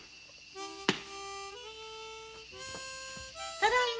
ただいま。